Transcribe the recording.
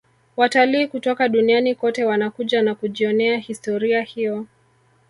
watalii kutoka duniani kote wanakuja na kujionea historia hiyo